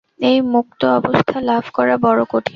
এই মুক্ত অবস্থা লাভ করা বড় কঠিন।